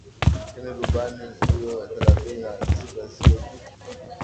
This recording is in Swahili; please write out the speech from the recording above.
Lakini rubani huyo thelathini na sita sio tu